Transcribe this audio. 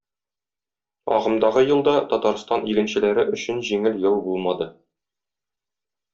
Агымдагы ел да Татарстан игенчеләре өчен җиңел ел булмады.